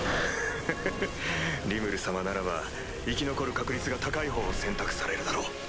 フフフリムル様ならば生き残る確率が高いほうを選択されるだろう。